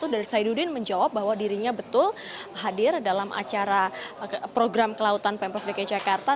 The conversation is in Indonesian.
dan zaidudin menjawab bahwa dirinya betul hadir dalam acara program kelautan pemprov dki jakarta